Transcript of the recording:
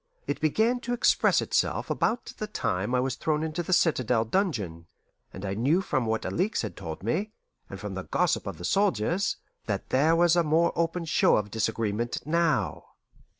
It began to express itself about the time I was thrown into the citadel dungeon, and I knew from what Alixe had told me, and from the gossip of the soldiers, that there was a more open show of disagreement now.